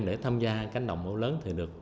để tham gia cánh đồng mẫu lớn